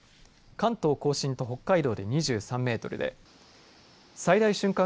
関東甲信と北海道で２３メートルで最大瞬間